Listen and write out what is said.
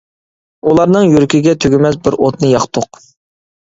ئۇلارنىڭ يۈرىكىگە تۈگىمەس بىر ئوتنى ياقتۇق.